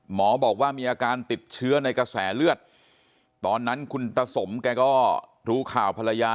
หมอบอกว่ามีอาการติดเชื้อในกระแสเลือดตอนนั้นคุณตาสมแกก็รู้ข่าวภรรยา